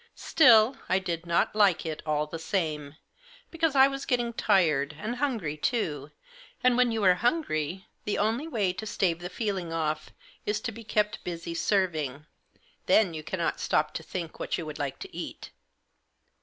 Still, I did not like it all the same ; because I was getting tired, and hungry too ; and, when you are hungry, the only way to stave the feeling off is to be kept busy serving ; then you cannot stop to think what you would like to eat.